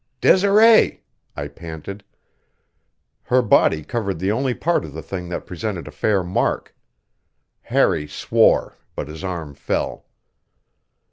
"Desiree!" I panted. Her body covered the only part of the thing that presented a fair mark. Harry swore, but his arm fell.